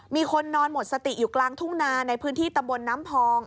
มีคนนอนหมดสติอยู่กลางทุ่งนาในพื้นที่ตำบลน้ำพอง